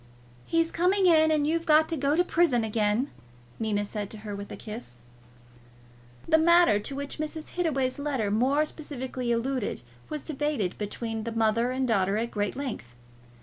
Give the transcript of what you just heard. "He's coming in, and you've got to go to prison again," Nina said to her, with a kiss. The matter to which Mrs. Hittaway's letter more specially alluded was debated between the mother and daughter at great length.